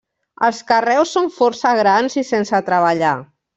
Els carreus són força grans i sense treballar.